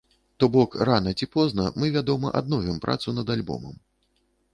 То бок, рана ці позна мы, вядома, адновім працу над альбомам.